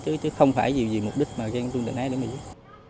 chứ không phải vì mục đích mà gan tuông đàn ái để diễn